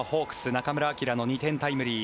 中村晃の２点タイムリー。